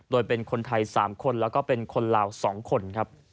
โดยเป็นคนไทย๓คนและเป็นคนเหล่า๒คน